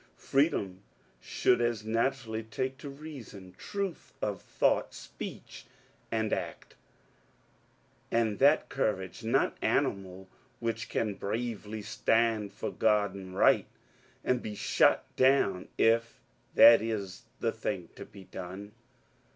Free dom should as naturally take to reason, truth of thought, speech, and act, and that courage not animal which can bravely stand for Grod and Right and be shot down if that is the thing to be done.